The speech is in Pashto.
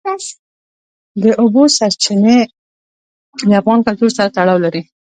د اوبو سرچینې د افغان کلتور سره تړاو لري.